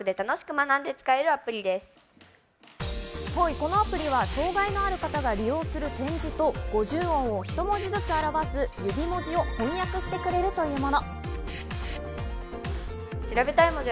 このアプリは障害のある方が利用する点字と五十音を１文字ずつ表す指文字を翻訳してくれるというもの。